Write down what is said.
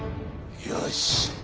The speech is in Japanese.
よし。